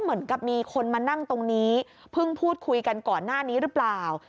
เหมือนกับมีคนมานั่งตรงนี้เพิ่งพูดคุยกันก่อนหน้านี้หรือเปล่า